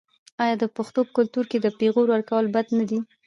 آیا د پښتنو په کلتور کې د پیغور ورکول بد نه دي؟